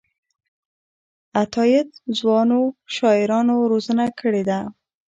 عطاييد ځوانو شاعرانو روزنه کړې ده.